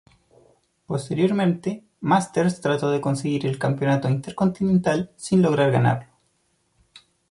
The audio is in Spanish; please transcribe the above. Posteriormente Masters trató de conseguir el Campeonato Intercontinental sin lograr ganarlo.